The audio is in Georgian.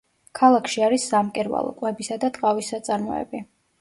ქალაქში არის სამკერვალო, კვებისა და ტყავის საწარმოები.